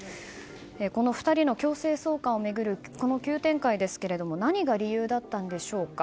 この２人の強制送還を巡る急展開ですが何が理由だったんでしょうか。